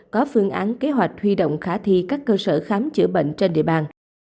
có phương án kế hoạch huy động khả thi các cơ sở khám chữa bệnh trên địa bàn